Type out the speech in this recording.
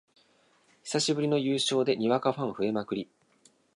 久しぶりの優勝でにわかファン増えまくり